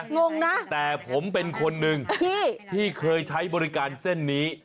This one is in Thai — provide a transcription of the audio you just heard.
งงนะแต่ผมเป็นคนหนึ่งที่เคยใช้บริการเส้นนี้